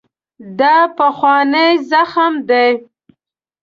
دا پخوانی زخم دی.